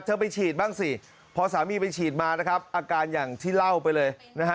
ไปฉีดบ้างสิพอสามีไปฉีดมานะครับอาการอย่างที่เล่าไปเลยนะฮะ